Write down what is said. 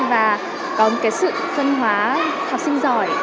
và có một sự phân hóa học sinh giỏi